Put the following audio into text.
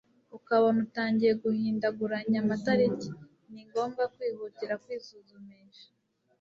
ukabona utangiye guhindaguranya amataliki, ni ngombwa kwihutira kwisuzumisha